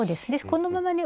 このままね